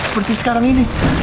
seperti sekarang ini